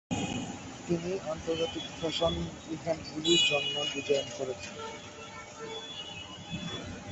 তিনি আন্তর্জাতিক ফ্যাশন ইভেন্টগুলির জন্যও ডিজাইন করেছেন।